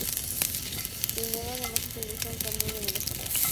Pineda además utiliza un cambio de velocidad.